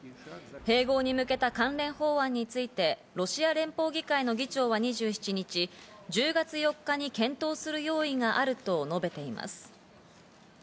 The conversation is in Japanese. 併合に向けた関連法案について、ロシア連邦議会の議長は２７日、１０月４日に検討する用意があると述べています。